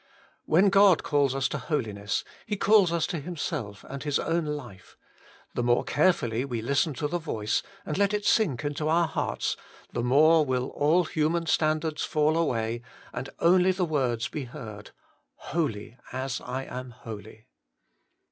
When God calls us to Holi ness, He calls us to Himself and His own life : the more carefully we listen to the voice, and let it sink into our hearts, the more will all human standards fall away, and only the words be heard, Holy, as I am holy.